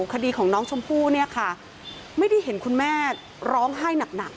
คดีของน้องชมพู่เนี่ยค่ะไม่ได้เห็นคุณแม่ร้องไห้หนัก